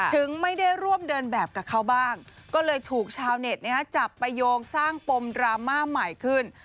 ถึงไม่ได้ร่วมเดินแบบกับเขาบ้างก็เลยถูกชาวเน็ตจับไปโยงสร้างปมดราม่าใหม่ขึ้น